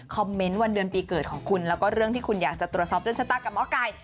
เมนต์วันเดือนปีเกิดของคุณแล้วก็เรื่องที่คุณอยากจะตรวจสอบเตือนชะตากับหมอไก่